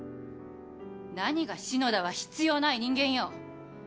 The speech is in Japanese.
何が篠田は必要ない人間よ。